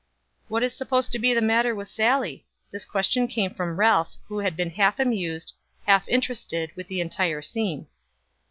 "What is supposed to be the matter with Sallie?" This question came from Ralph, who had been half amused, half interested, with the entire scene.